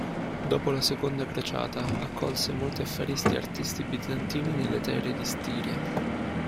Dopo la Seconda Crociata, accolse molti affaristi e artisti bizantini nelle terre di Stiria.